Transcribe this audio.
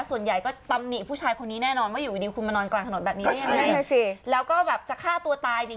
ส่วนใหญ่ก็ตำหนิผู้ชายคนนี้แน่นอนว่าอยู่ดีคุณมานอนกลางถนนแบบนี้ได้ยังไงนั่นแหละสิแล้วก็แบบจะฆ่าตัวตายเนี่ย